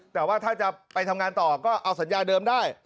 แต่ว่าถ้าจะไปทำงานต่อก็เอาสัญญาเดิมได้